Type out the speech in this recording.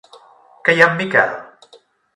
Que hi ha en Miquel?